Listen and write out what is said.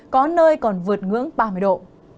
có nơi còn vượt ngưỡng ba mươi độ